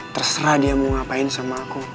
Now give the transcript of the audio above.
terserah dia mau ngapain sama aku